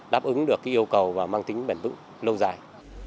đáp ứng được yêu cầu và mang tính bền vững lâu dài